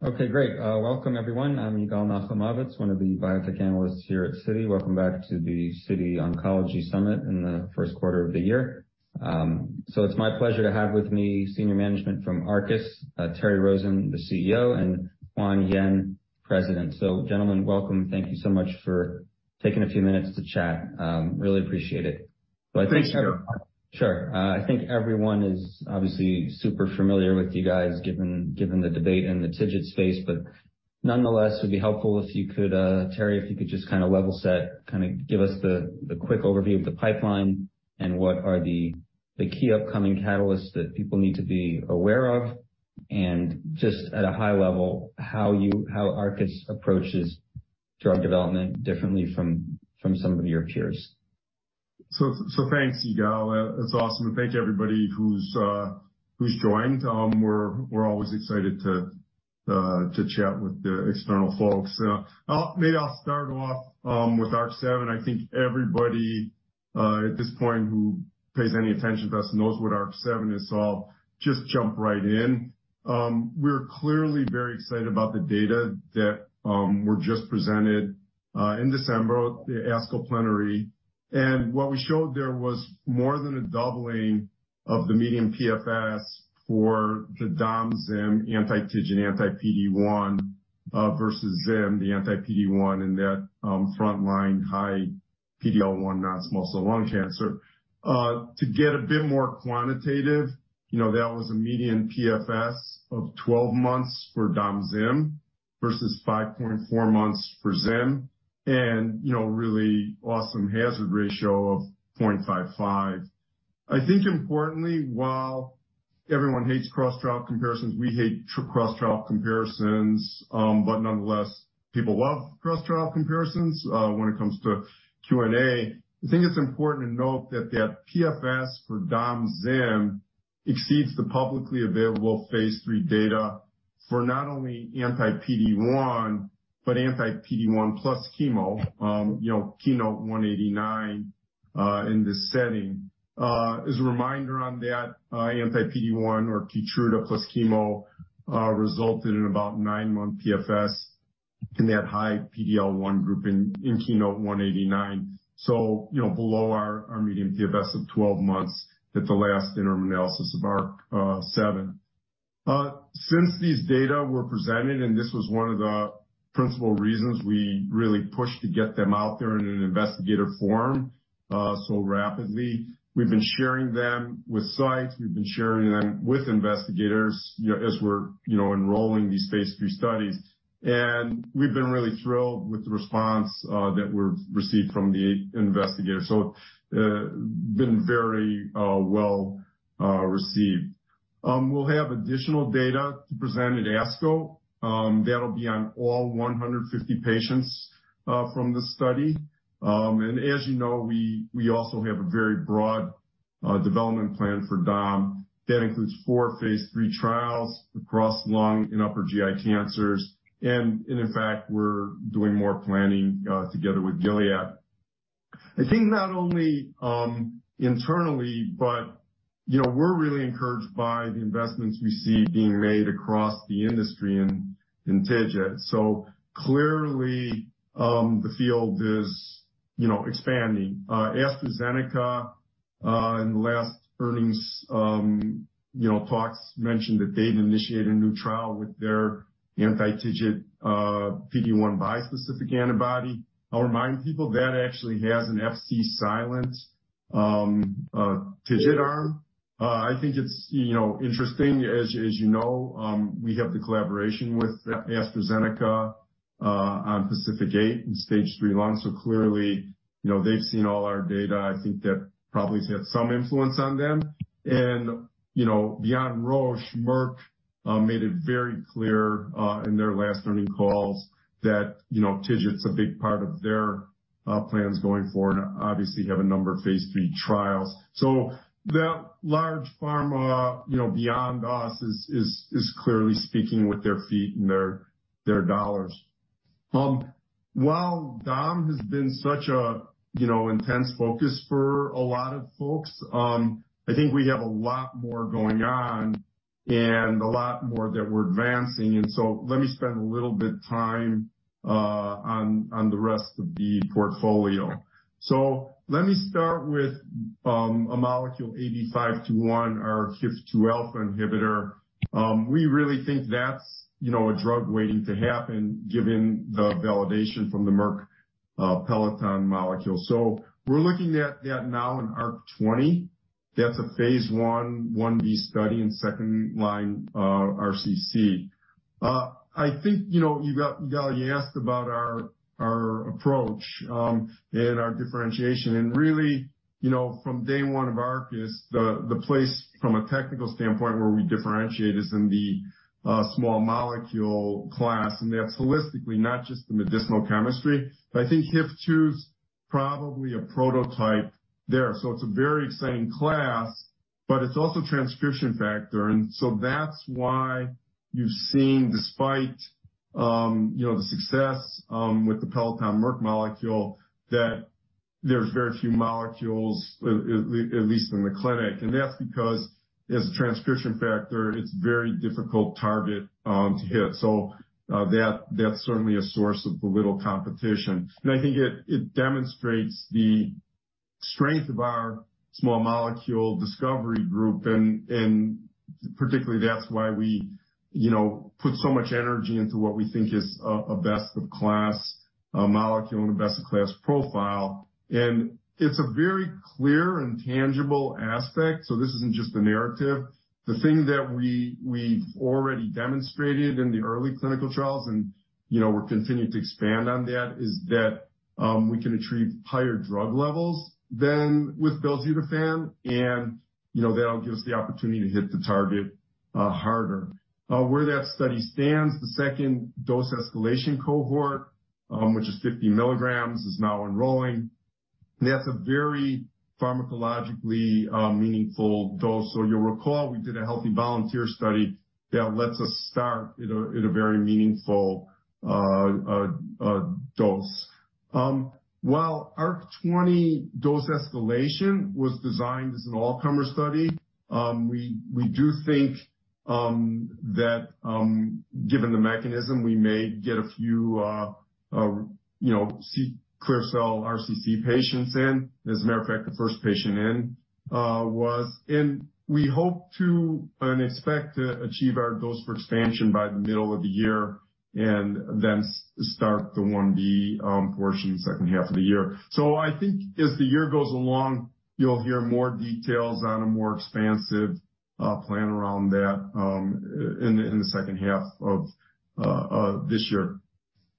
Okay, great. Welcome, everyone. I'm Yigal Nochomovitz, one of the biotech analysts here at Citi. Welcome back to the Citi Oncology Summit in the first quarter of the year. It's my pleasure to have with me senior management from Arcus, Terry Rosen, the CEO, and Juan Jaen, President. Gentlemen, welcome. Thank you so much for taking a few minutes to chat. Really appreciate it. Thanks, Yigal. Sure. I think everyone is obviously super familiar with you guys, given the debate in the TIGIT space. Nonetheless, it would be helpful if you could, Terry, if you could just kinda level set, kinda give us the quick overview of the pipeline and what are the key upcoming catalysts that people need to be aware of, and just at a high level, how Arcus approaches drug development differently from some of your peers. Thanks, Yigal. That's awesome. Thank you, everybody who's joined. We're always excited to chat with the external folks. Maybe I'll start off with ARC-7. I think everybody at this point who pays any attention to us knows what ARC-7 is, so I'll just jump right in. We're clearly very excited about the data that were just presented in December at the ASCO Plenary. What we showed there was more than a doubling of the median PFS for the Dom/Zim anti-TIGIT, anti-PD-1 versus Zim, the anti-PD-1 in that frontline high PD-L1 non-small cell lung cancer. To get a bit more quantitative, you know, that was a median PFS of 12 months for Dom/Zim versus 5.4 months for Zim and, you know, really awesome hazard ratio of 0.55. I think importantly, while everyone hates cross-trial comparisons, we hate cross-trial comparisons, but nonetheless, people love cross-trial comparisons, when it comes to Q&A. I think it's important to note that that PFS for Dom/Zim exceeds the publicly available phase III data for not only anti-PD-1, but anti-PD-1 plus chemo, you know, KEYNOTE-189, in this setting. As a reminder on that, anti-PD-1 or KEYTRUDA plus chemo, resulted in about nine-month PFS in that high PD-L1 group in KEYNOTE-189. you know, below our median PFS of 12 months at the last interim analysis of ARC-7. Since these data were presented, and this was one of the principal reasons we really pushed to get them out there in an investigator forum, so rapidly, we've been sharing them with sites, we've been sharing them with investigators, you know, as we're, you know, enrolling these phase III studies. We've been really thrilled with the response that we've received from the investigators. Been very well received. We'll have additional data to present at ASCO. That'll be on all 150 patients from the study. As you know, we also have a very broad development plan for Dom. That includes 4 phase III trials across lung and upper GI cancers. In fact, we're doing more planning together with Gilead. I think not only internally, but, you know, we're really encouraged by the investments we see being made across the industry in TIGIT. Clearly, the field is, you know, expanding. AstraZeneca in the last earnings, you know, talks mentioned that they've initiated a new trial with their anti-TIGIT PD-1 bispecific antibody. I'll remind people that actually has an Fc-silent TIGIT arm. I think it's, you know, interesting. As you know, we have the collaboration with AstraZeneca on PACIFIC-8 in phase III lung. Clearly, you know, they've seen all our data. I think that probably has had some influence on them. You know, beyond Roche, Merck made it very clear in their last earning calls that, you know, TIGIT's a big part of their plans going forward, and obviously have a number of phase III trials. The large pharma, you know, beyond us is clearly speaking with their feet and their $. While Dom has been such a, you know, intense focus for a lot of folks, I think we have a lot more going on and a lot more that we're advancing. Let me spend a little bit of time on the rest of the portfolio. Let me start with a molecule AB521, our HIF-2alpha inhibitor. We really think that's, you know, a drug waiting to happen given the validation from the Merck Peloton molecule. We're looking at that now in ARC-20. That's a phase I, 1B study in second line RCC. I think, you know, Yigal, you asked about our approach and our differentiation. Really, you know, from day one of Arcus, the place from a technical standpoint where we differentiate is in the small molecule class, and that's holistically not just the medicinal chemistry. I think HIF-2 is probably a prototype there. It's a very exciting class, but it's also a transcription factor. That's why you've seen despite, you know, the success with the Peloton Merck molecule. There's very few molecules, at least in the clinic, and that's because as a transcription factor, it's very difficult target to hit. That's certainly a source of the little competition. I think it demonstrates the strength of our small molecule discovery group, and particularly, that's why we, you know, put so much energy into what we think is a best of class molecule and a best of class profile. It's a very clear and tangible aspect, so this isn't just a narrative. The thing that we've already demonstrated in the early clinical trials, and, you know, we're continuing to expand on that, is that we can achieve higher drug levels than with Belzutifan, and, you know, that'll give us the opportunity to hit the target harder. Where that study stands, the second dose escalation cohort, which is 50 milligrams, is now enrolling. That's a very pharmacologically meaningful dose. You'll recall, we did a healthy volunteer study that lets us start at a very meaningful dose. While ARC-20 dose escalation was designed as an all-comer study, we do think that given the mechanism, we may get a few, you know, clear cell RCC patients in. As a matter of fact, the first patient in was. We hope to and expect to achieve our dose for expansion by the middle of the year and then start the 1B portion in the second half of the year. I think as the year goes along, you'll hear more details on a more expansive plan around that in the second half of this year.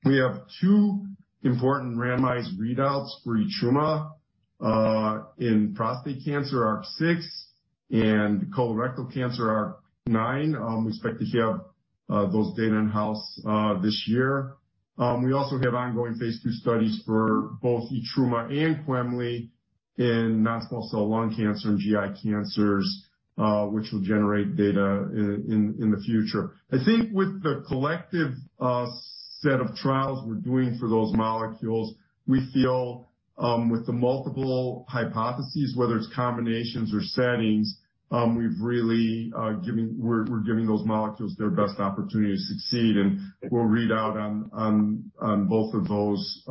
We have two important randomized readouts for Etrumadenant in prostate cancer ARC-6 and colorectal cancer ARC-9. We expect to have those data in-house this year. We also have ongoing phase II studies for both Etrumadenant and Quemliclustat in non-small cell lung cancer and GI cancers, which will generate data in the future. I think with the collective set of trials we're doing for those molecules, we feel with the multiple hypotheses, whether it's combinations or settings, we're giving those molecules their best opportunity to succeed. We'll read out on both of those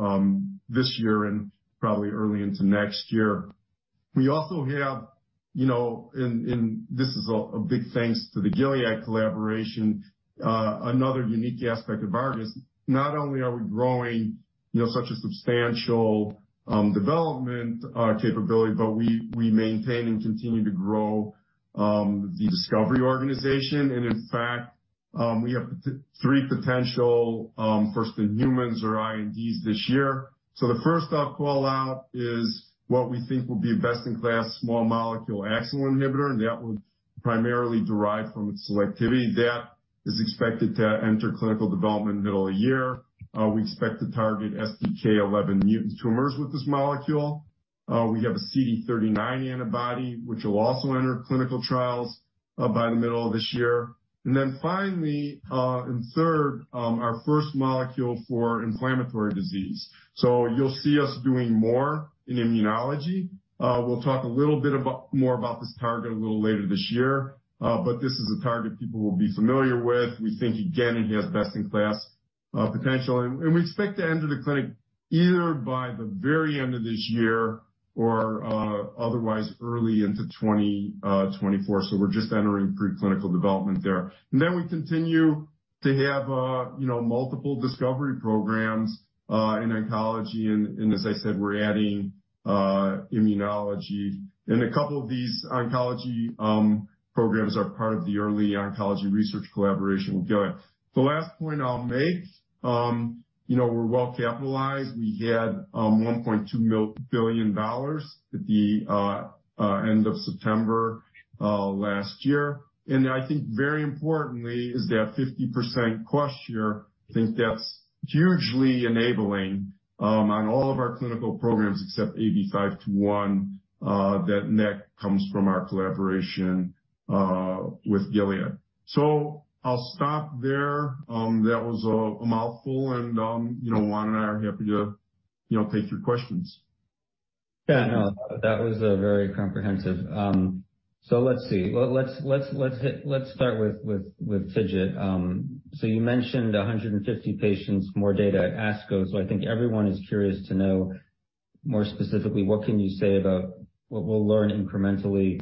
this year and probably early into next year. We also have, a big thanks to the Gilead Sciences collaboration, another unique aspect of Arcus Biosciences, not only are we growing such a substantial development capability, but we maintain and continue to grow the discovery organization. In fact, we have 3 potential first in humans or INDs this year. The first I'll call out is what we think will be a best in class small molecule AXL inhibitor, and that will primarily derive from its selectivity. That is expected to enter clinical development in the middle of the year. We expect to target STK11 mutant tumors with this molecule. We have a CD39 antibody, which will also enter clinical trials by the middle of this year. Finally, and third, our first molecule for inflammatory disease. You'll see us doing more in immunology. We'll talk a little bit about more about this target a little later this year, but this is a target people will be familiar with. We think, again, it has best in class potential. We expect to enter the clinic either by the very end of this year or otherwise early into 2024. We're just entering preclinical development there. We continue to have, you know, multiple discovery programs in oncology. As I said, we're adding immunology. A couple of these oncology programs are part of the early oncology research collaboration with Gilead. The last point I'll make, you know, we're well capitalized. We had $1.2 billion at the end of September last year. I think very importantly is that 50% cost share, I think that's hugely enabling on all of our clinical programs except AB521, that net comes from our collaboration with Gilead. I'll stop there. That was a mouthful and, you know, Juan and I are happy to, you know, take your questions. Yeah, no, that was a very comprehensive. Let's see. Let's start with TIGIT. You mentioned 150 patients, more data at ASCO. I think everyone is curious to know more specifically what can you say about what we'll learn incrementally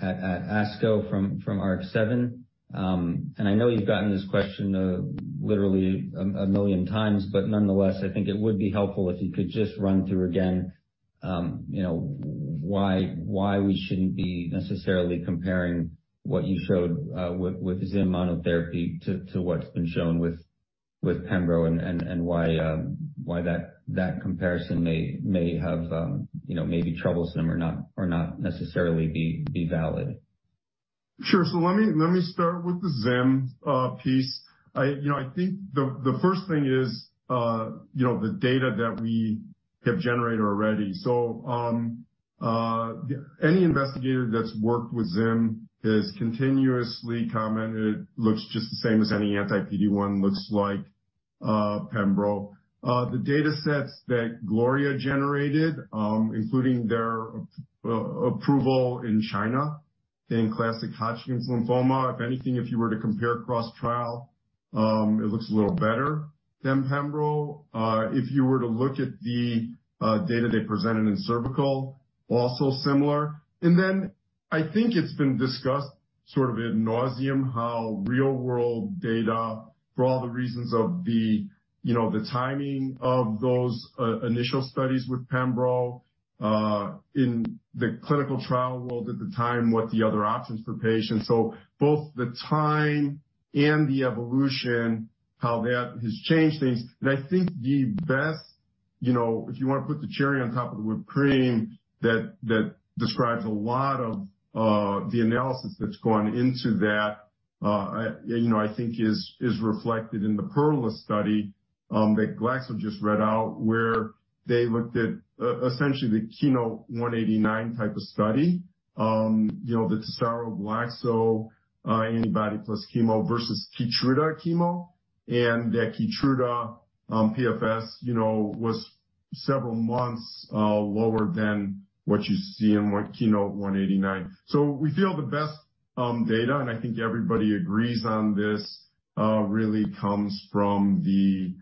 at ASCO from ARC-seven. I know you've gotten this question, literally 1 million times, but nonetheless, I think it would be helpful if you could just run through again, you know, why we shouldn't be necessarily comparing what you showed with Zim monotherapy to what's been shown with Pembrolizumab and why that comparison may have, you know, may be troublesome or not necessarily be valid. Sure. Let me start with the Zim piece. You know, I think the first thing is, you know, the data that we have generated already. Any investigator that's worked with Zim has continuously commented it looks just the same as any anti-PD-1 looks like. Pembro. The data sets that Gloria generated, including their approval in China in classic Hodgkin's lymphoma, if anything, if you were to compare across trial, it looks a little better than Pembro. If you were to look at the data they presented in cervical, also similar. I think it's been discussed sort of ad nauseam, how real world data, for all the reasons of the, you know, the timing of those initial studies with Pembro in the clinical trial world at the time, what the other options for patients. Both the time and the evolution, how that has changed things. I think the best, you know, if you want to put the cherry on top of the whipped cream, that describes a lot of the analysis that's gone into that, you know, I think is reflected in the PERLA study that Glaxo just read out, where they looked at essentially the KEYNOTE-189 type of study. You know, the Tesaro Glaxo antibody plus chemo versus KEYTRUDA chemo. That KEYTRUDA PFS, you know, was several months lower than what you see in KEYNOTE-189. We feel the best data, and I think everybody agrees on this, really comes from the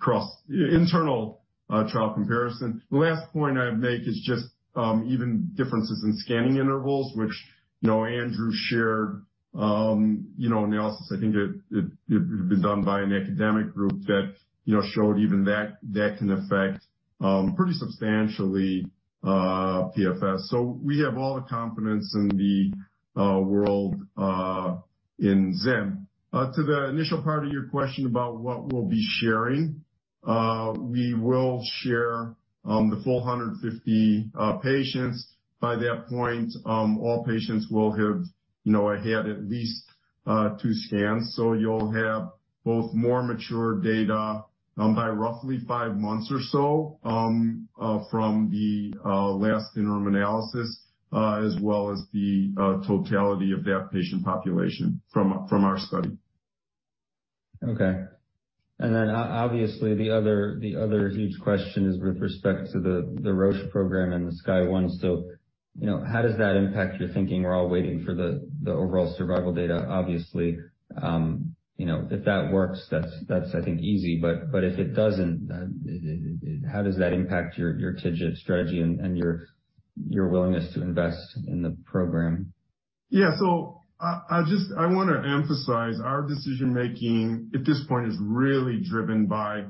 cross-internal trial comparison. The last point I'd make is just, even differences in scanning intervals, which, you know, Andrew shared, you know, analysis. I think it has been done by an academic group that, you know, showed even that can affect pretty substantially PFS. We have all the confidence in the world in Zim. To the initial part of your question about what we'll be sharing. We will share the full 150 patients. By that point, all patients will have, you know, had at least two scans. You'll have both more mature data, by roughly five months or so, from the last interim analysis, as well as the totality of that patient population from our study. Obviously, the other huge question is with respect to the Roche program and the SKYSCRAPER-01. You know, how does that impact your thinking? We're all waiting for the overall survival data, obviously. You know, if that works, that's, I think, easy. If it doesn't, how does that impact your TIGIT strategy and your willingness to invest in the program? I wanna emphasize our decision making at this point is really driven by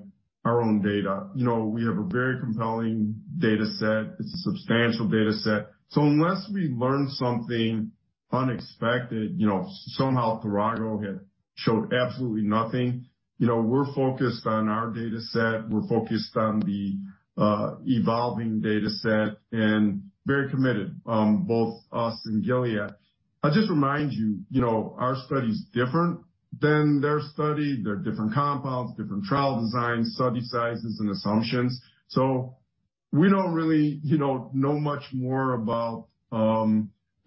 our own data. You know, we have a very compelling data set. It's a substantial data set. Unless we learn something unexpected, you know, somehow Tiragolumab had showed absolutely nothing. You know, we're focused on our data set. We're focused on the evolving data set and very committed, both us and Gilead. I'll just remind you know, our study is different than their study. They're different compounds, different trial designs, study sizes and assumptions. We don't really, you know much more about, you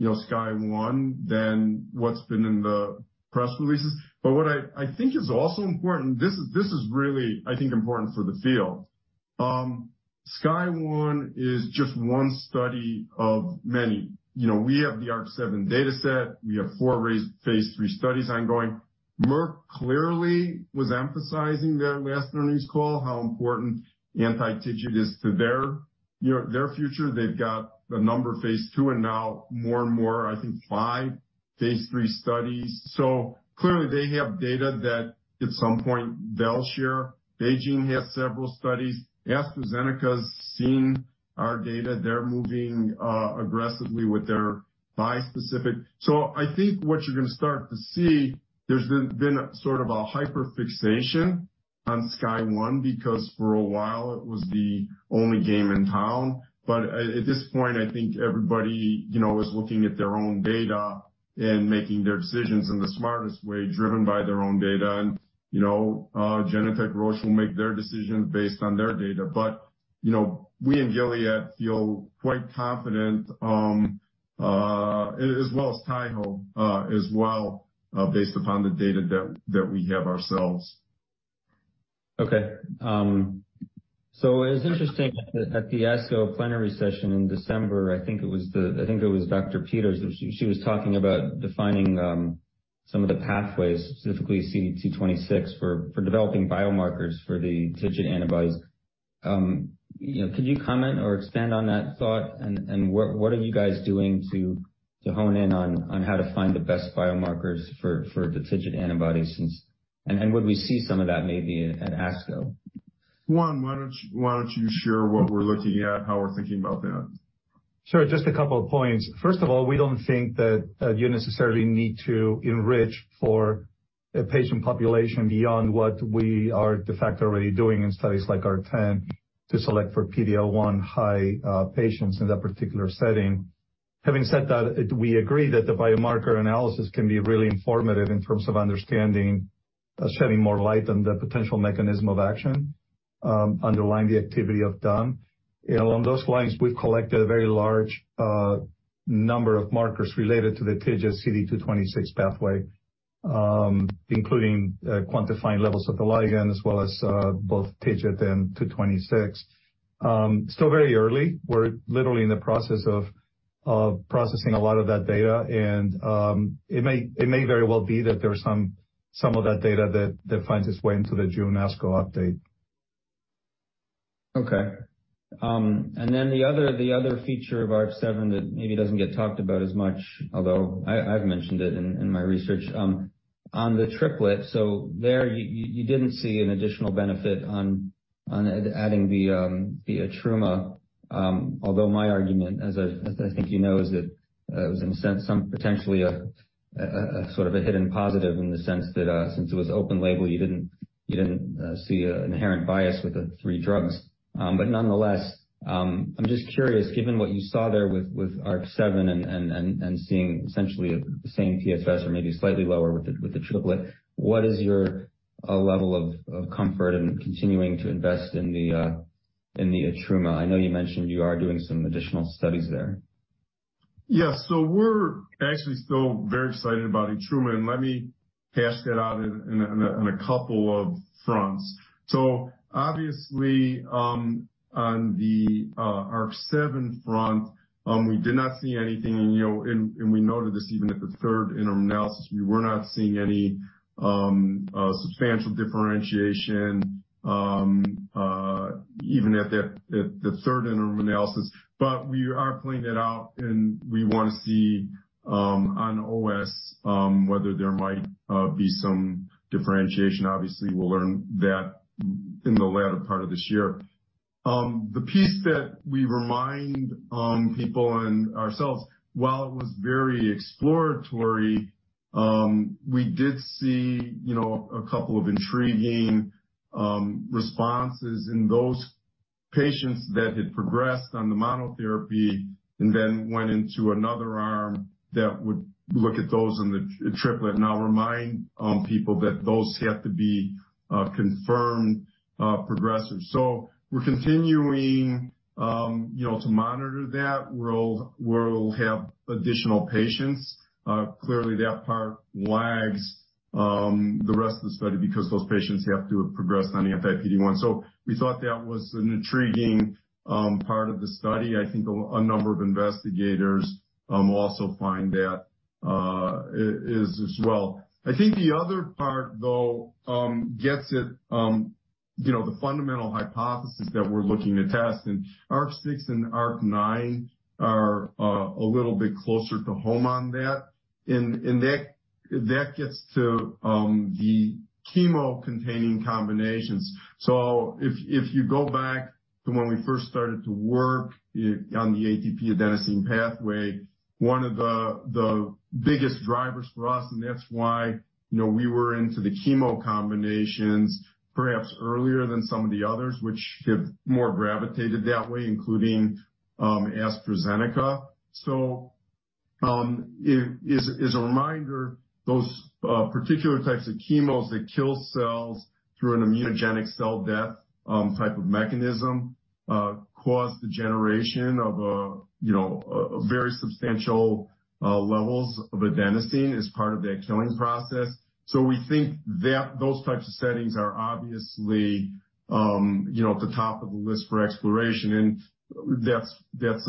know, SKYSCRAPER-01 than what's been in the press releases. What I think is also important, this is really, I think, important for the field. SKYSCRAPER-01 is just one study of many. You know, we have the ARC-7 data set. We have 4 phase III studies ongoing. Merck clearly was emphasizing that last earnings call, how important anti-TIGIT is to their, you know, their future. They've got a number of phase II and now more and more, I think 5 phase III studies. Clearly they have data that at some point they'll share. BeiGene has several studies. AstraZeneca's seen our data. They're moving aggressively with their bispecific. I think what you're gonna start to see, there's been sort of a hyper fixation on SKYSCRAPER-01 because for a while it was the only game in town. At this point, I think everybody, you know, is looking at their own data and making their decisions in the smartest way, driven by their own data. You know, Genentech Roche will make their decisions based on their data. You know, we and Gilead feel quite confident, as well as Taiho, as well, based upon the data that we have ourselves. It's interesting at the ASCO plenary session in December, I think it was Solange Peters. She was talking about defining some of the pathways, specifically CD226, for developing biomarkers for the TIGIT antibodies. You know, could you comment or expand on that thought? What are you guys doing to hone in on how to find the best biomarkers for the TIGIT antibodies? Would we see some of that maybe at ASCO? Juan, why don't you share what we're looking at, how we're thinking about that? Sure. Just a couple of points. First of all, we don't think that, you necessarily need to enrich for a patient population beyond what we are de facto already doing in studies like ARC-10 to select for PD-L1 high, patients in that particular setting. Having said that, we agree that the biomarker analysis can be really informative in terms of understanding, shedding more light on the potential mechanism of action. Underline the activity of Domvanalimab. Along those lines, we've collected a very large, number of markers related to the TIGIT CD226 pathway, including, quantifying levels of the ligand, as well as, both TIGIT and 226. Still very early. We're literally in the process of processing a lot of that data. It may very well be that there are some of that data that finds its way into the June ASCO update. Okay. The other, the other feature of ARC-7 that maybe doesn't get talked about as much, although I've mentioned it in my research, on the triplet. You didn't see an additional benefit on adding the Atumma. Although my argument, as I think you know, is that it was in a sense some potentially a sort of a hidden positive in the sense that since it was open label, you didn't see an inherent bias with the three drugs. Nonetheless, I'm just curious, given what you saw there with ARC-7 and seeing essentially the same TSS or maybe slightly lower with the triplet, what is your level of comfort in continuing to invest in the Atumma? I know you mentioned you are doing some additional studies there. Yeah. We're actually still very excited about Atumma, and let me hash that out in a, on a couple of fronts. Obviously, on the ARC-7 front, we did not see anything, and, you know, and we noted this even at the third interim analysis, we were not seeing any substantial differentiation even at the third interim analysis. We are pointing it out, and we wanna see on OS whether there might be some differentiation. Obviously, we'll learn that in the latter part of this year. The piece that we remind people and ourselves, while it was very exploratory, we did see, you know, a couple of intriguing responses in those patients that had progressed on the monotherapy and then went into another arm that would look at those in the t-triplet. I'll remind people that those have to be confirmed progressors. We're continuing, you know, to monitor that. We'll have additional patients. Clearly that part lags the rest of the study because those patients have to have progressed on the PD-1. We thought that was an intriguing part of the study. I think a number of investigators also find that as well. I think the other part though, gets at, you know, the fundamental hypothesis that we're looking to test, and ARC-6 and ARC-9 are a little bit closer to home on that. That gets to the chemo-containing combinations. If you go back to when we first started to work on the ADP adenosine pathway, one of the biggest drivers for us, and that's why, you know, we were into the chemo combinations perhaps earlier than some of the others, which have more gravitated that way, including AstraZeneca. It is a reminder, those particular types of chemos that kill cells through an immunogenic cell death type of mechanism, cause the generation of a, you know, a very substantial levels of adenosine as part of their killing process. We think that those types of settings are obviously, you know, at the top of the list for exploration, and that's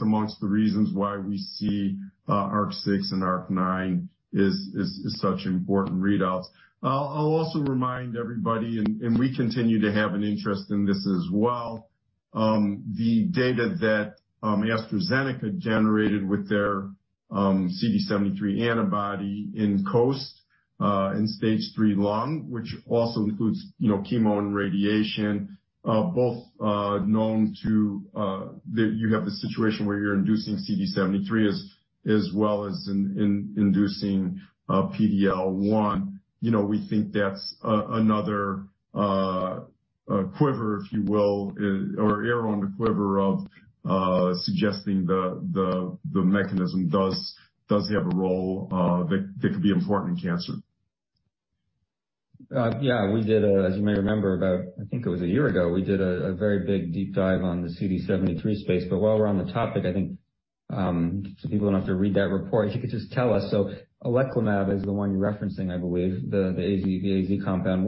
amongst the reasons why we see ARC-6 and ARC-9 is such important readouts. I'll also remind everybody, and we continue to have an interest in this as well, the data that AstraZeneca generated with their CD73 antibody in COAST, in stage 3 lung, which also includes, you know, chemo and radiation, both known to that you have the situation where you're inducing CD73 as well as in inducing PD-L1. You know, we think that's another quiver, if you will, or arrow in the quiver of suggesting the mechanism does have a role that could be important in cancer. Yeah, we did a. As you may remember, about, I think it was a year ago, we did a very big deep dive on the CD73 space. While we're on the topic, I think, some people don't have to read that report. If you could just tell us, so Oleclumab is the one you're referencing, I believe, the AZ, the AZ compound.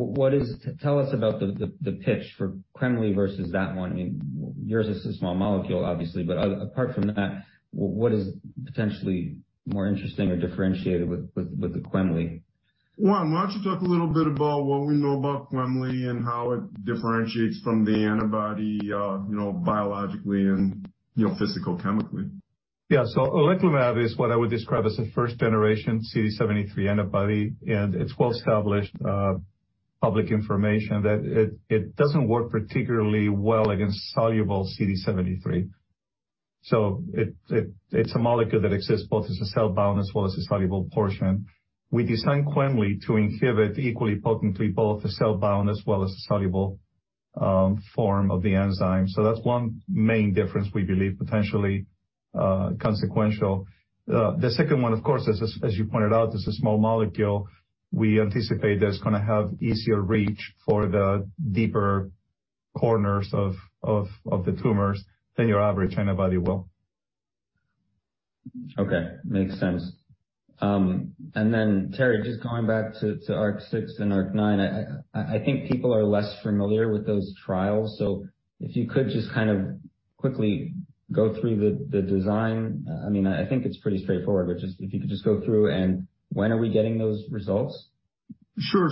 Tell us about the pitch for Quemli versus that one? I mean, yours is a small molecule, obviously. Apart from that, what is potentially more interesting or differentiated with the Quemli? Juan, why don't you talk a little bit about what we know about Quemliclustat and how it differentiates from the antibody, you know, biologically and, you know, physical chemically. Oleclumab is what I would describe as a first generation CD73 antibody, and it's well established, public information that it doesn't work particularly well against soluble CD73. It's a molecule that exists both as a cell-bound as well as a soluble portion. We designed Quemliclustat to inhibit equally potently both the cell-bound as well as the soluble form of the enzyme. That's one main difference we believe potentially consequential. The second one, of course, as you pointed out, is a small molecule we anticipate that's gonna have easier reach for the deeper corners of the tumors than your average antibody will. Okay. Makes sense. Then, Terry, just going back to ARC-6 and ARC-9. I think people are less familiar with those trials. If you could just kind of quickly go through the design. I mean, I think it's pretty straightforward. Just, if you could go through, when are we getting those results? Sure.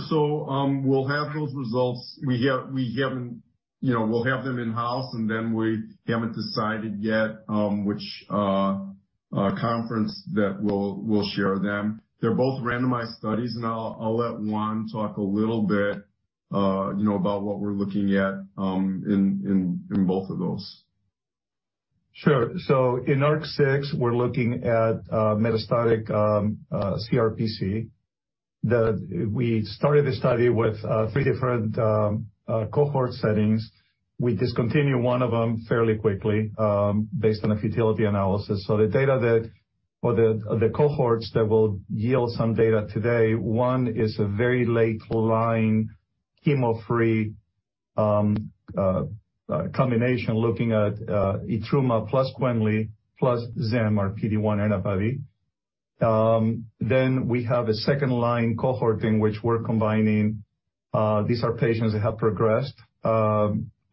We'll have those results. We haven't, you know, we'll have them in-house, and then we haven't decided yet, which conference that we'll share them. They're both randomized studies, and I'll let Juan talk a little bit, you know, about what we're looking at, in both of those. Sure. In ARC-6, we're looking at metastatic CRPC. We started the study with three different cohort settings. We discontinued one of them fairly quickly based on a futility analysis. The data or the cohorts that will yield some data today, one is a very late-line chemo-free combination looking at Etrumadenant plus Quemliclustat plus Zim or PD-1 antibody. Then we have a second line cohort in which we're combining, these are patients that have progressed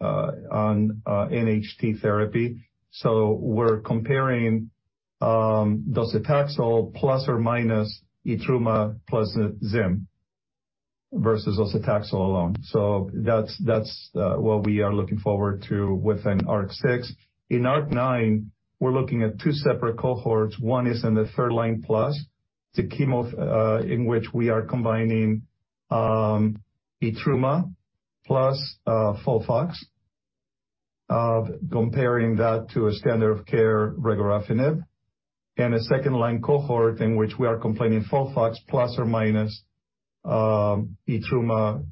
on NHT therapy. We're comparing Docetaxel plus or minus Etrumadenant plus Zim versus Docetaxel alone. That's what we are looking forward to within ARC-6. In ARC-9, we're looking at two separate cohorts. One is in the third line plus the chemo, in which we are combining, Etrumadenant plus, FOLFOX. Comparing that to a standard of care Regorafenib, and a second line cohort in which we are combining FOLFOX plus or minus, Etrumadenant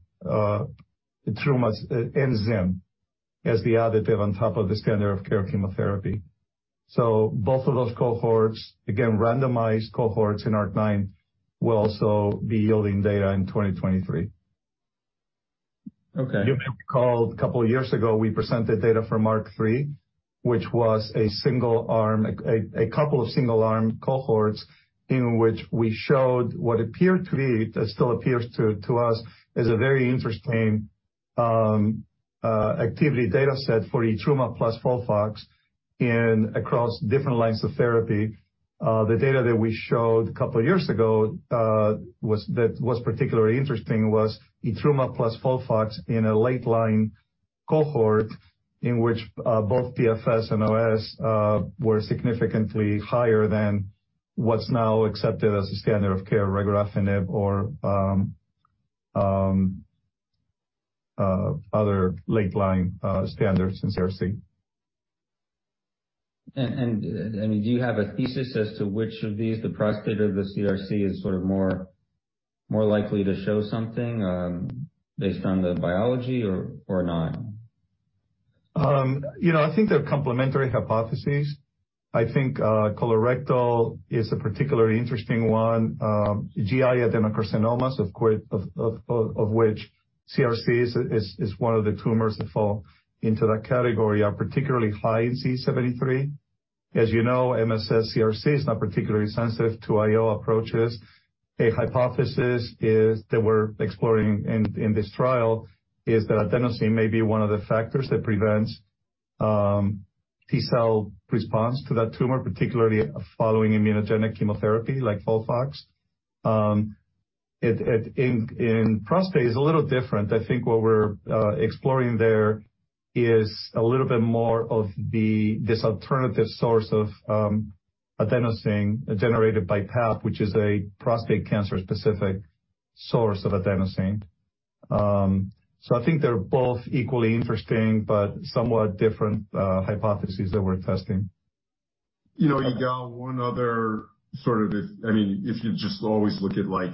and Zim as the additive on top of the standard of care chemotherapy. Both of those cohorts, again randomized cohorts in ARC-9, will also be yielding data in 2023. Okay. You may recall a couple years ago, we presented data from ARC-3, which was a couple of single-arm cohorts, in which we showed what appeared to be, that still appears to us, as a very interesting activity data set for Etrumadenant plus FOLFOX in across different lines of therapy. The data that we showed a couple years ago was particularly interesting was Etrumadenant plus FOLFOX in a late line cohort in which both PFS and OS were significantly higher than what's now accepted as the standard of care, Regorafenib or other late line standards in CRC. Do you have a thesis as to which of these, the prostate or the CRC is sort of more likely to show something, based on the biology or not? you know, I think they're complementary hypotheses. I think colorectal is a particularly interesting one. GI adenocarcinomas, of course, of which CRC is one of the tumors that fall into that category, are particularly high in CD73. As you know, MSS CRC is not particularly sensitive to IO approaches. A hypothesis is, that we're exploring in this trial, is that adenosine may be one of the factors that prevents T-cell response to that tumor, particularly following immunogenic chemotherapy like FOLFOX. it in prostate is a little different. I think what we're exploring there is a little bit more of the this alternative source of adenosine generated by PAP, which is a prostate cancer-specific source of adenosine. I think they're both equally interesting but somewhat different hypotheses that we're testing. You know, Yigal, one other sort of... I mean, if you just always look at like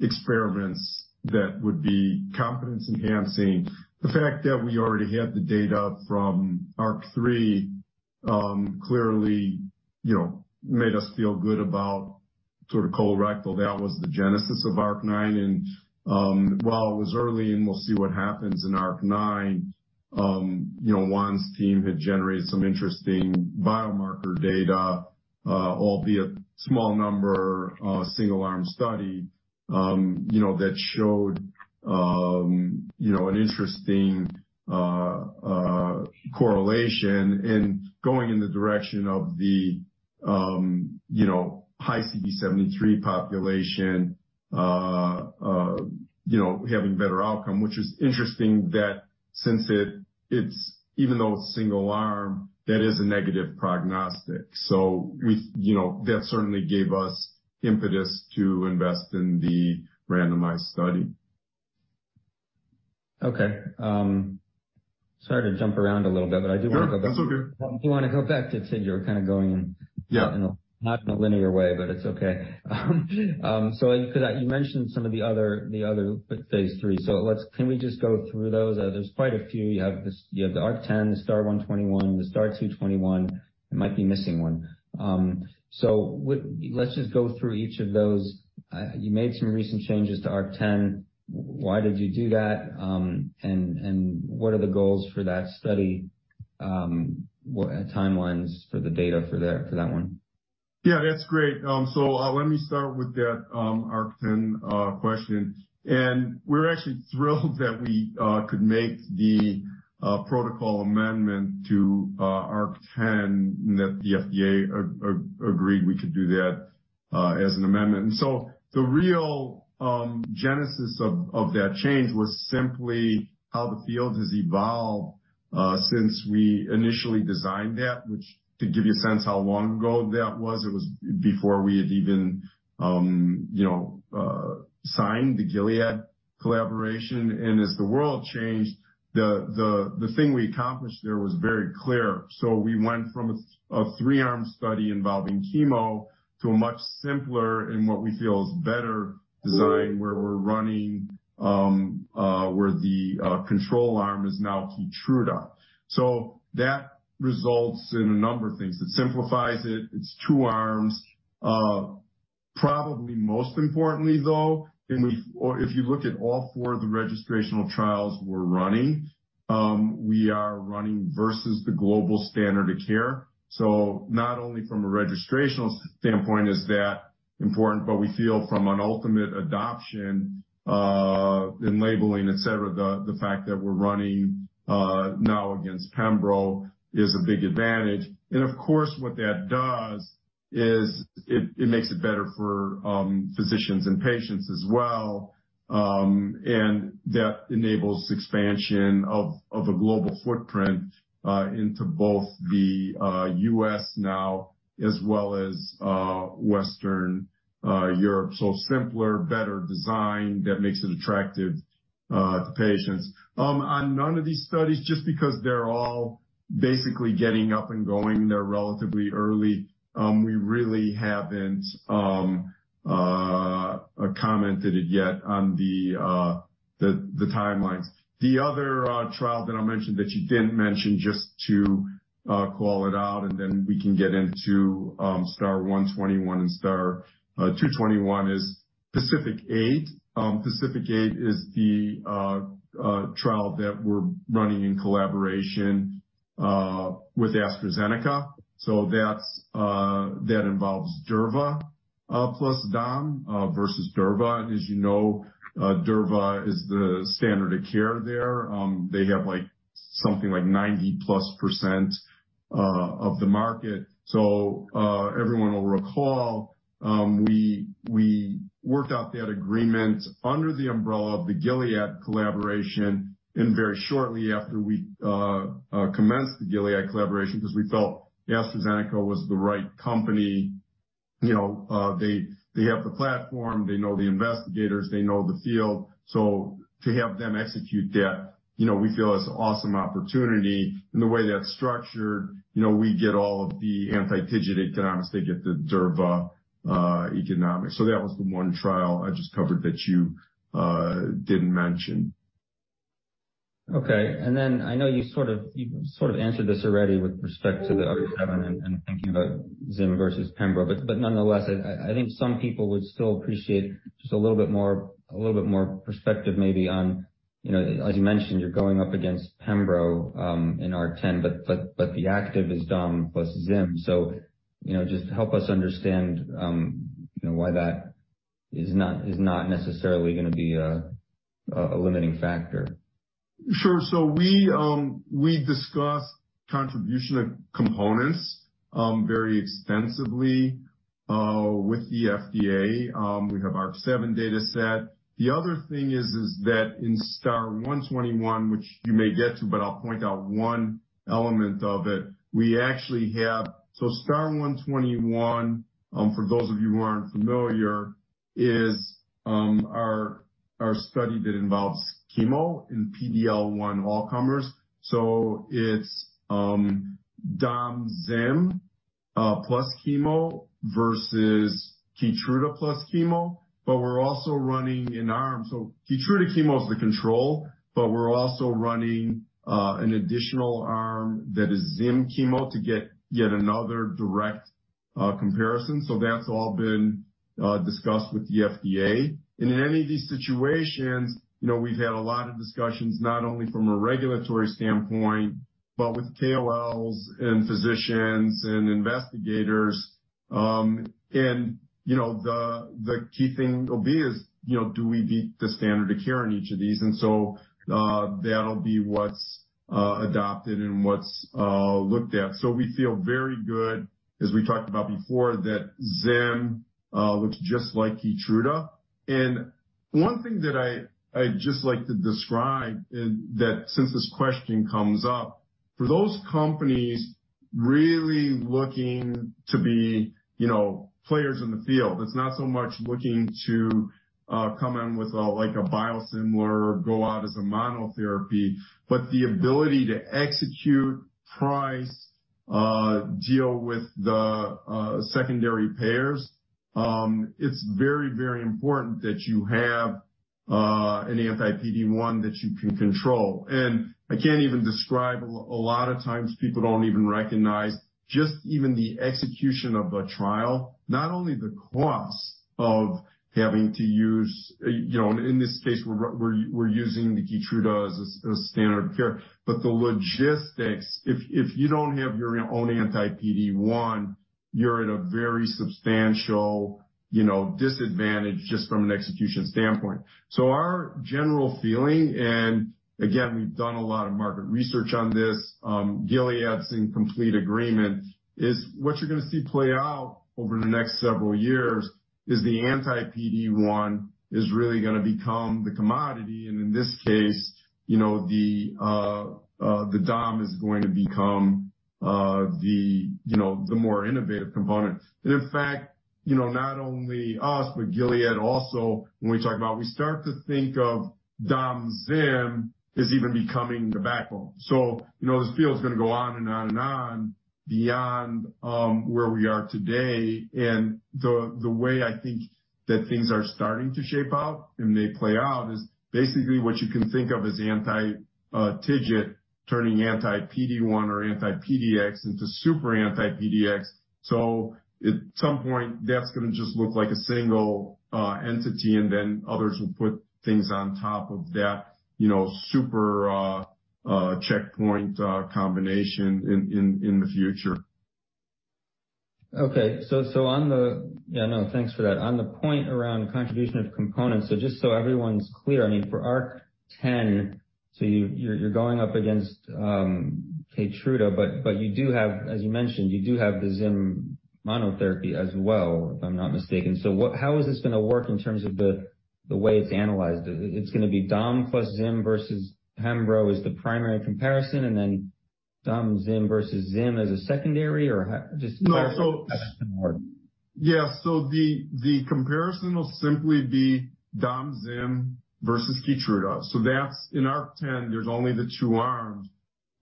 experiments that would be confidence enhancing, the fact that we already had the data from ARC-3, clearly, you know, made us feel good about sort of colorectal. That was the genesis of ARC-9. While it was early, and we'll see what happens in ARC-9, you know, Juan's team had generated some interesting biomarker data, albeit small number, single-arm study, you know, that showed an interesting correlation. Going in the direction of the, you know, high CD73 population, you know, having better outcome, which is interesting that since even though it's single arm, that is a negative prognostic. We, you know, that certainly gave us impetus to invest in the randomized study. Sorry to jump around a little bit, but I do wanna go back. No, that's okay. I do wanna go back to it. You were kind of going. Yeah. Not in a linear way, but it's okay. You mentioned some of the other phase IIIs. Let's can we just go through those? There's quite a few. You have this, you have the ARC-10, the STAR-121, the STAR-221. I might be missing one. Let's just go through each of those. You made some recent changes to ARC-10. Why did you do that? What are the goals for that study? Timelines for the data for that one. Yeah, that's great. Let me start with that ARC-10 question. We're actually thrilled that we could make the protocol amendment to ARC-10 and that the FDA agreed we could do that as an amendment. The real genesis of that change was simply how the field has evolved since we initially designed that, which to give you a sense how long ago that was, it was before we had even, you know, signed the Gilead collaboration. As the world changed, the thing we accomplished there was very clear. We went from a 3-arm study involving chemo to a much simpler and what we feel is better design, where we're running, where the control arm is now KEYTRUDA. That results in a number of things. It simplifies it. It's two arms. Probably most importantly, though, if you look at all four of the registrational trials we're running, we are running versus the global standard of care. Not only from a registrational standpoint is that important, but we feel from an ultimate adoption, in labeling, etc, the fact that we're running now against Pembro is a big advantage. Of course, what that does is it makes it better for physicians and patients as well. That enables expansion of a global footprint into both the U.S. now as well as Western Europe. Simpler, better design that makes it attractive to patients. On none of these studies, just because they're all basically getting up and going, they're relatively early, we really haven't commented it yet on the timelines. The other trial that I mentioned that you didn't mention, just to call it out, and then we can get into STAR-121 and STAR-221 is PACIFIC-8. PACIFIC-8 is the trial that we're running in collaboration with AstraZeneca. That involves Durva plus Dom versus Durva. As you know, Durva is the standard of care there. They have like something like 90 plus % of the market. Everyone will recall, we worked out that agreement under the umbrella of the Gilead collaboration and very shortly after we commenced the Gilead collaboration because we felt AstraZeneca was the right company. You know, they have the platform, they know the investigators, they know the field. To have them execute that, you know, we feel is an awesome opportunity. The way that's structured, you know, we get all of the anti-TIGIT economics, they get the Durva economics. That was the one trial I just covered that you didn't mention. Okay. I know you sort of answered this already with respect to the ARC-7 and thinking about Zim versus Pembrolizumab. Nonetheless, I think some people would still appreciate just a little bit more perspective maybe on, you know, as you mentioned, you're going up against Pembrolizumab in ARC-10, but the active is Dom plus Zim. You know, just help us understand, you know, why that is not necessarily gonna be a limiting factor. Sure. We discussed contribution of components very extensively with the FDA. We have our seven data set. The other thing is, that in STAR 121, which you may get to, but I'll point out one element of it. We actually have STAR 121 for those of you who aren't familiar, is our study that involves chemo and PD-L1 all comers. It's Dom Zim plus chemo versus KEYTRUDA plus chemo. We're also running an arm. KEYTRUDA chemo is the control, but we're also running an additional arm that is Zim chemo to get yet another direct comparison. That's all been discussed with the FDA. In any of these situations, you know, we've had a lot of discussions, not only from a regulatory standpoint, but with KOLs and physicians and investigators. The key thing will be is, you know, do we beat the standard of care in each of these? That'll be what's adopted and what's looked at. We feel very good, as we talked about before, that Zim looks just like KEYTRUDA. One thing that I'd just like to describe is that since this question comes up, for those companies really looking to be, you know, players in the field, it's not so much looking to come in with a like a biosimilar or go out as a monotherapy, but the ability to execute price, deal with the secondary pairs. It's very, very important that you have an anti-PD-1 that you can control. I can't even describe, a lot of times people don't even recognize just even the execution of a trial, not only the cost of having to use, you know, in this case, we're using the KEYTRUDA as standard of care. The logistics, if you don't have your own anti-PD-1, you're at a very substantial, you know, disadvantage just from an execution standpoint. Our general feeling, and again, we've done a lot of market research on this, Gilead's in complete agreement, is what you're gonna see play out over the next several years is the anti-PD-1 is really gonna become the commodity. In this case, you know, the Dom is going to become the, you know, the more innovative component. In fact, you know, not only us, but Gilead also, when we talk about we start to think of Dom Zim as even becoming the backbone. You know, this field is gonna go on and on and on beyond where we are today. The, the way I think that things are starting to shape out, and they play out, is basically what you can think of as anti-TIGIT turning anti-PD-1 or anti-PDX into super anti-PDX. At some point, that's gonna just look like a single entity, and then others will put things on top of that, you know, super checkpoint combination in the future. Okay. On the yeah, no, thanks for that. On the point around contribution of components, just so everyone's clear, I mean, for ARC-10, you're going up against KEYTRUDA, but you do have, as you mentioned, you do have the Zimberelimab monotherapy as well, if I'm not mistaken. How is this gonna work in terms of the way it's analyzed? It's gonna be Dom plus Zimberelimab versus Pembrolizumab as the primary comparison, and then Dom Zimberelimab versus Zimberelimab as a secondary? Or how? No. Yeah. The comparison will simply be Dom Zimberelimab versus KEYTRUDA. That's in ARC-10, there's only the two arms,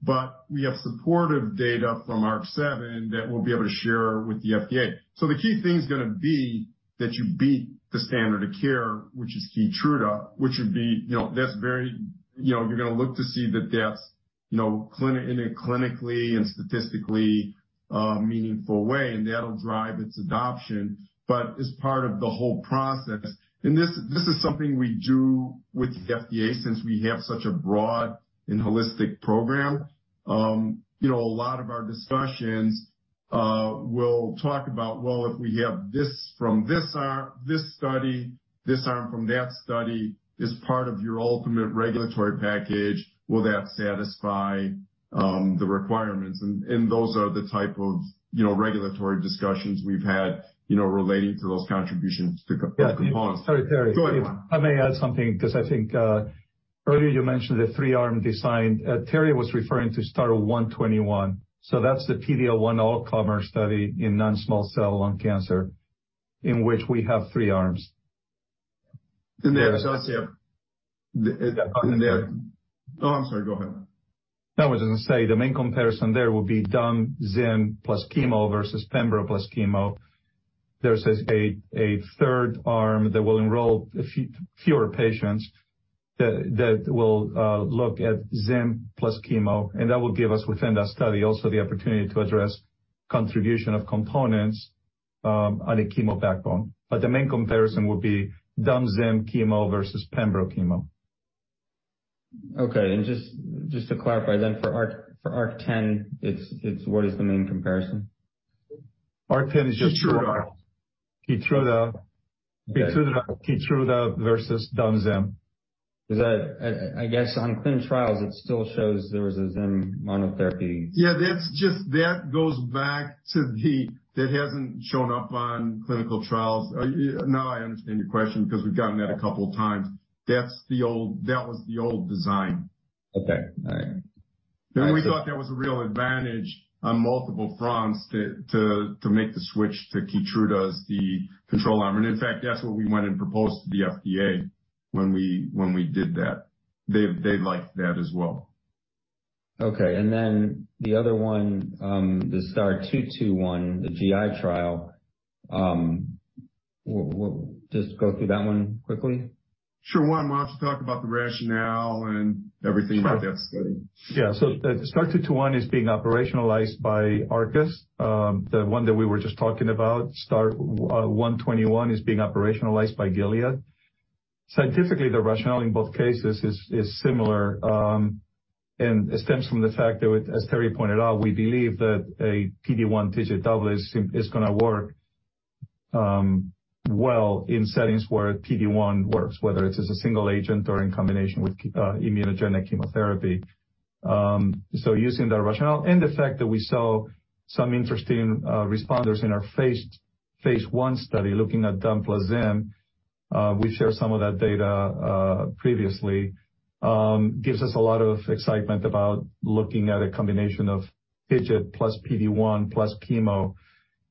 but we have supportive data from ARC-7 that we'll be able to share with the FDA. The key thing is gonna be that you beat the standard of care, which is KEYTRUDA, which would be, you know, that's very, you know, you're gonna look to see that that's, you know, in a clinically and statistically meaningful way, and that'll drive its adoption, as part of the whole process. This is something we do with the FDA since we have such a broad and holistic program. You know, a lot of our discussions, will talk about, well, if we have this from this study, this arm from that study, as part of your ultimate regulatory package, will that satisfy the requirements? Those are the type of, you know, regulatory discussions we've had, you know, relating to those contributions to components. Yeah. Sorry, Terry. Go ahead, Juan. If I may add something, because I think, earlier you mentioned the three-arm design. Terry was referring to STAR-121. That's the PD-L1 all-comer study in non-small cell lung cancer in which we have three arms. In there. That's it. In there. Oh, I'm sorry. Go ahead. I was gonna say the main comparison there will be Dom Zimberelimab plus chemo versus Pembrolizumab plus chemo. There's a third arm that will enroll fewer patients that will look at Zimberelimab plus chemo, and that will give us within that study also the opportunity to address contribution of components on a chemo backbone. The main comparison will be Dom Zimberelimab chemo versus Pembrolizumab chemo. Okay. Just to clarify then for ARC-10, it's what is the main comparison? ARC-10 is. KEYTRUDA. KEYTRUDA. Okay. KEYTRUDA versus Dom Zimberelimab. Is that, I guess on clinical trials, it still shows there was a Zimberelimab monotherapy. Yeah, that's just, that goes back to the, that hasn't shown up on clinical trials. Now I understand your question because we've gotten that a couple of times. That was the old design. Okay. All right. We thought that was a real advantage on multiple fronts to make the switch to KEYTRUDA as the control arm. In fact, that's what we went and proposed to the FDA when we did that. They liked that as well. Okay. The other one, the STAR-221, the GI trial, we'll just go through that one quickly. Sure. Juan might have to talk about the rationale and everything about that study. Yeah. The STAR-221 is being operationalized by Arcus. The one that we were just talking about, STAR-121, is being operationalized by Gilead. Scientifically, the rationale in both cases is similar and stems from the fact that, as Terry pointed out, we believe that a PD-1 TIGIT double is gonna work well in settings where PD-1 works, whether it is a single agent or in combination with immunogenic chemotherapy. Using the rationale and the fact that we saw some interesting responders in our phase I study looking at dom plus Zim, we've shared some of that data previously, gives us a lot of excitement about looking at a combination of TIGIT plus PD-1 plus chemo.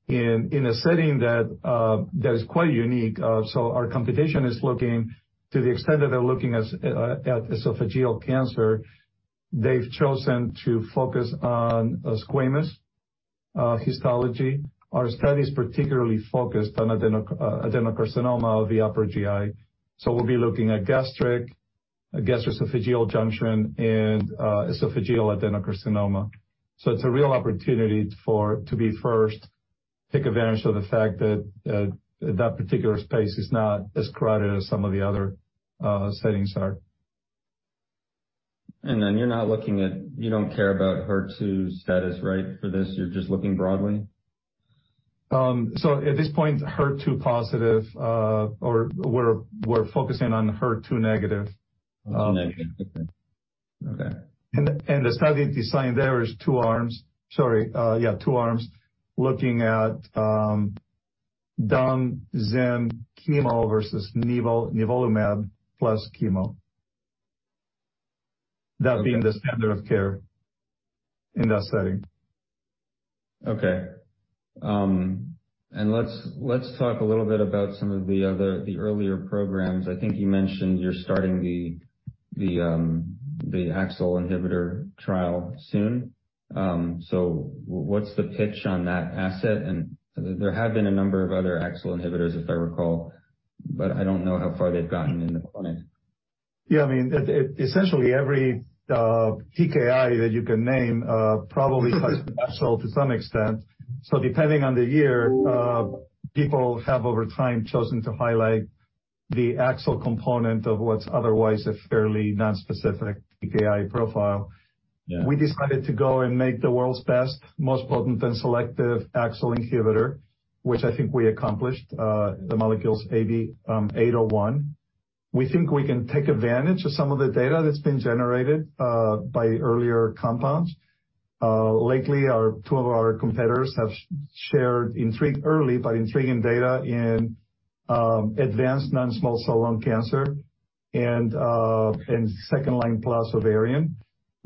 In a setting that is quite unique. Our competition is looking to the extent that they're looking as at esophageal cancer. They've chosen to focus on squamous histology. Our study is particularly focused on adeno adenocarcinoma of the upper GI. We'll be looking at gastric, gastroesophageal junction and esophageal adenocarcinoma. It's a real opportunity to be first, take advantage of the fact that that particular space is not as crowded as some of the other settings are. You don't care about HER2 status, right, for this, you're just looking broadly? At this point, HER2 positive, or we're focusing on HER2 negative. HER2 negative. Okay. The study design there is two arms. Sorry, yeah, two arms looking at, Dom, Zim, chemo versus Nivolumab plus chemo. That being the standard of care in that setting. Okay. Let's talk a little bit about some of the other, the earlier programs. I think you mentioned you're starting the AXL inhibitor trial soon. What's the pitch on that asset? There have been a number of other AXL inhibitors, if I recall, but I don't know how far they've gotten in the clinic. Yeah, I mean, essentially every TKI that you can name, probably has AXL to some extent. Depending on the year, people have over time chosen to highlight the AXL component of what's otherwise a fairly nonspecific TKI profile. Yeah. We decided to go and make the world's best, most potent and selective AXL inhibitor, which I think we accomplished, the molecules AB801. We think we can take advantage of some of the data that's been generated by earlier compounds. Lately, two of our competitors have shared early, but intriguing data in advanced non-small cell lung cancer and second-line plus ovarian.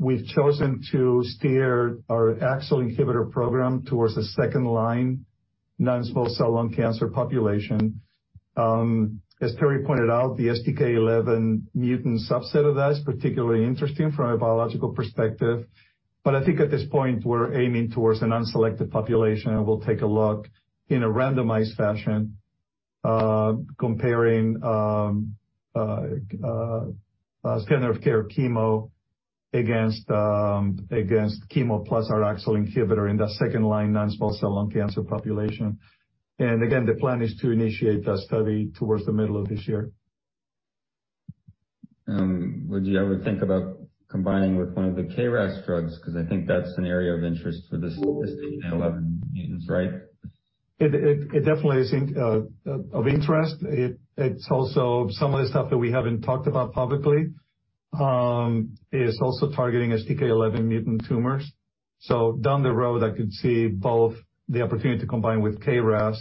We've chosen to steer our AXL inhibitor program towards a second line non-small cell lung cancer population. As Terry pointed out, the STK11 mutant subset of that is particularly interesting from a biological perspective. I think at this point, we're aiming towards an unselected population, and we'll take a look in a randomized fashion, comparing standard of care chemo against chemo, plus our AXL inhibitor in that second line non-small cell lung cancer population. Again, the plan is to initiate that study towards the middle of this year. Would you ever think about combining with one of the KRAS drugs? Because I think that's an area of interest for this STK11 mutants, right? It definitely is in of interest. It's also some of the stuff that we haven't talked about publicly is also targeting STK11 mutant tumors. Down the road, I could see both the opportunity to combine with KRAS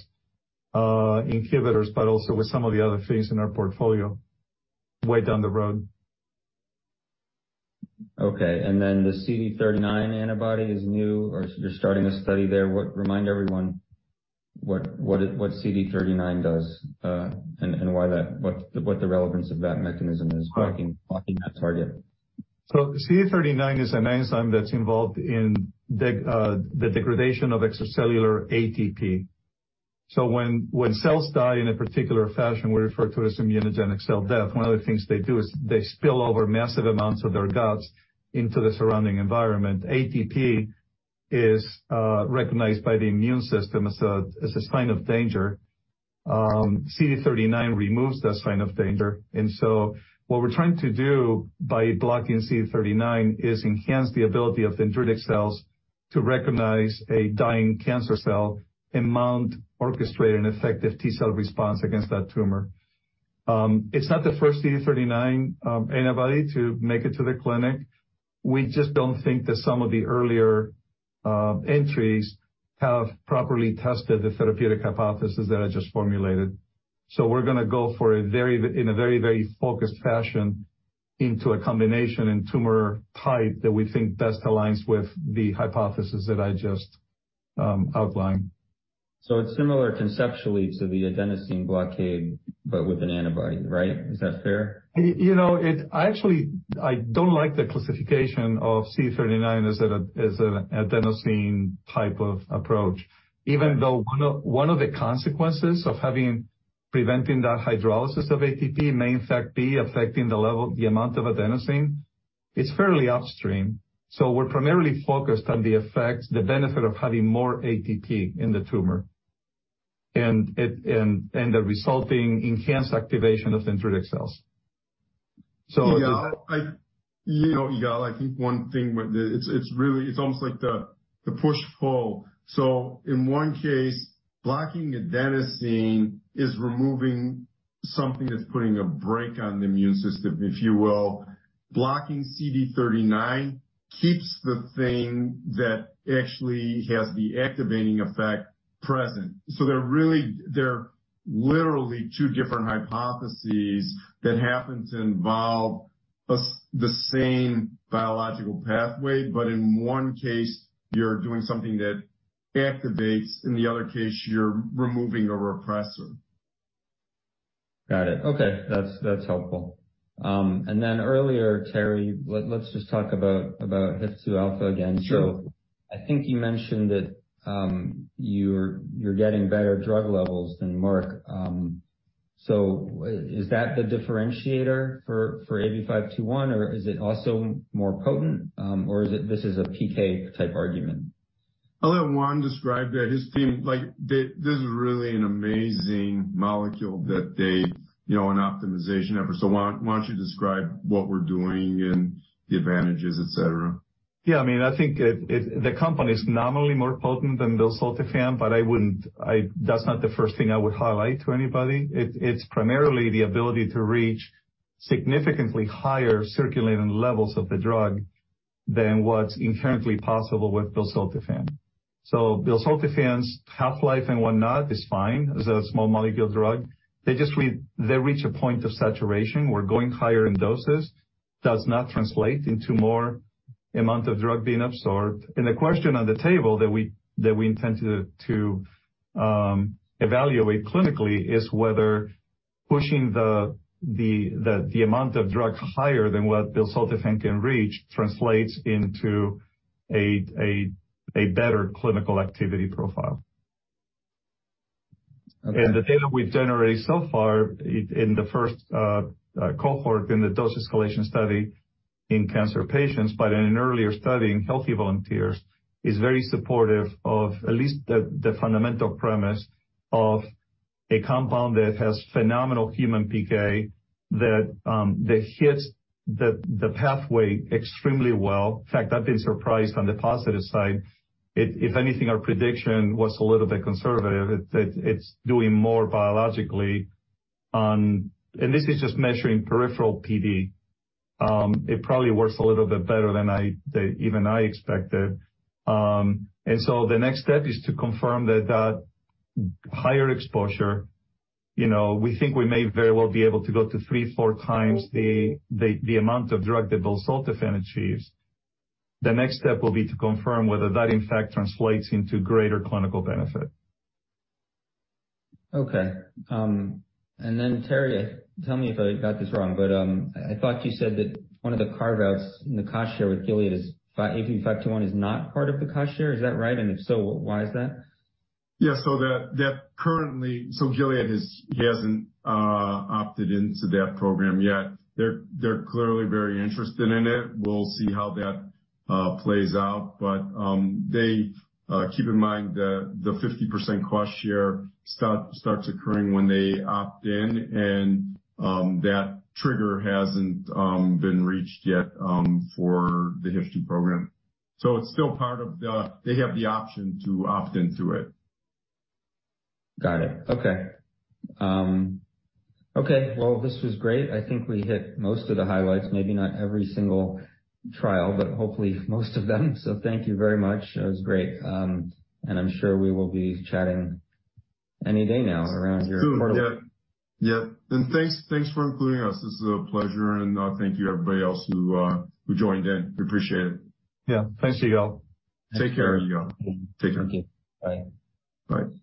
inhibitors, but also with some of the other things in our portfolio way down the road. Okay. Then the CD39 antibody is new, or you're starting a study there? Remind everyone what CD39 does, and what the relevance of that mechanism is blocking that target? CD39 is an enzyme that's involved in the degradation of extracellular ATP. When, when cells die in a particular fashion, we refer to it as immunogenic cell death. One of the things they do is they spill over massive amounts of their guts into the surrounding environment. ATP is recognized by the immune system as a, as a sign of danger. CD39 removes that sign of danger. What we're trying to do by blocking CD39 is enhance the ability of dendritic cells to recognize a dying cancer cell and mount orchestrate an effective T-cell response against that tumor. It's not the first CD39 antibody to make it to the clinic. We just don't think that some of the earlier entries have properly tested the therapeutic hypothesis that I just formulated. we're gonna go in a very focused fashion into a combination and tumor type that we think best aligns with the hypothesis that I just outlined. it's similar conceptually to the adenosine blockade, but with an antibody, right? Is that fair? You know, I actually, I don't like the classification of CD39 as a, as an adenosine type of approach. Even though one of the consequences of preventing that hydrolysis of ATP may in fact be affecting the amount of adenosine, it's fairly upstream. We're primarily focused on the effects, the benefit of having more ATP in the tumor, and the resulting enhanced activation of dendritic cells. Yigal, You know, Yigal, I think one thing with it's, it's really, it's almost like the push-pull. In one case, blocking adenosine is removing something that's putting a brake on the immune system, if you will. Blocking CD39 keeps the thing that actually has the activating effect present. They're literally two different hypotheses that happen to involve the same biological pathway, but in one case you're doing something that activates, in the other case, you're removing a repressor. Got it. Okay. That's helpful. Then earlier, Terry, let's just talk about HIF-2 alpha again. Sure. I think you mentioned that you're getting better drug levels than Merck. Is that the differentiator for AB521, or is it also more potent? Is it this is a PK type argument? I'll let Juan describe that. His team like they this is really an amazing molecule that they, you know, an optimization effort. Why don't you describe what we're doing and the advantages, etc? Yeah. I mean, I think the company is nominally more potent than Belzutifan, but I wouldn't, that's not the first thing I would highlight to anybody. It's primarily the ability to reach significantly higher circulating levels of the drug than what's inherently possible with Belzutifan. Belzutifan's half-life and whatnot is fine as a small molecule drug. They just reach a point of saturation where going higher in doses does not translate into more amount of drug being absorbed. The question on the table that we intend to evaluate clinically is whether pushing the amount of drug higher than what Belzutifan can reach translates into a better clinical activity profile. Okay. The data we've generated so far in the first cohort in the dose escalation study in cancer patients, but in an earlier study in healthy volunteers, is very supportive of at least the fundamental premise of a compound that has phenomenal human PK that hits the pathway extremely well. In fact, I've been surprised on the positive side. If anything, our prediction was a little bit conservative. It's doing more biologically and this is just measuring peripheral PD. It probably works a little bit better than I even I expected. So the next step is to confirm that that higher exposure, you know, we think we may very well be able to go to 3, 4 times the amount of drug that Belzutifan achieves. The next step will be to confirm whether that, in fact, translates into greater clinical benefit. Okay. Terry, tell me if I got this wrong, I thought you said that one of the carve-outs in the cost share with Gilead is AB521 is not part of the cost share. Is that right? If so, why is that? Yeah. Gilead hasn't opted into that program yet. They're clearly very interested in it. We'll see how that plays out. They keep in mind the 50% cost share starts occurring when they opt in, and that trigger hasn't been reached yet for the HIF-2 program. It's still They have the option to opt into it. Got it. Okay. Okay. This was great. I think we hit most of the highlights, maybe not every single trial, but hopefully most of them. Thank you very much. It was great. I'm sure we will be chatting any day now around here. Soon. Yep. Thanks for including us. This is a pleasure. Thank you everybody else who joined in. We appreciate it. Yeah. Thanks, Yigal. Take care, Yigal. Take care. Thank you. Bye. Bye.